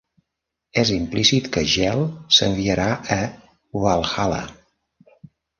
És implícit que Gel s'enviarà a Valhalla.